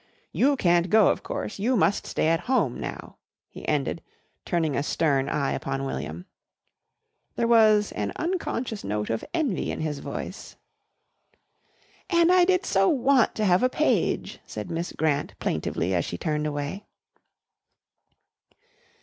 You can't go, of course, you must stay at home now," he ended, turning a stern eye upon William. There was an unconscious note of envy in his voice. "And I did so want to have a page," said Miss Grant plaintively as she turned away.